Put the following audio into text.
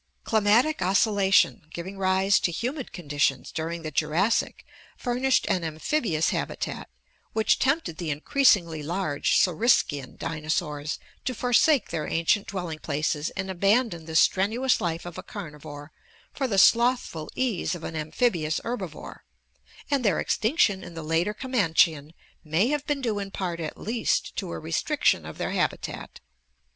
Climatic oscillation, giving rise to humid conditions during the Jurassic, furnished an amphibious habitat which tempted the 690 ORGANIC EVOLUTION increasingly large saurischian dinosaurs to forsake their ancient dwelling places and abandon the strenuous life of a carnivore for the slothful ease of an amphibious herbivore, and their extinction in the later Comanchian may have been due in part at least to a restriction of their habitat.